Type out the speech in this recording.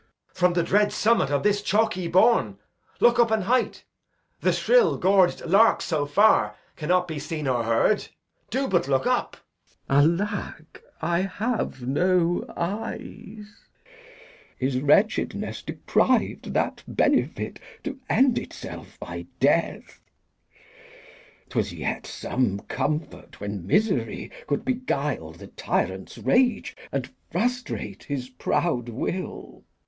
From the dread summit of this chalky bourn. Look up a height. The shrill gorg'd lark so far Cannot be seen or heard. Do but look up. Glou. Alack, I have no eyes! Is wretchedness depriv'd that benefit To end itself by death? 'Twas yet some comfort When misery could beguile the tyrant's rage And frustrate his proud will.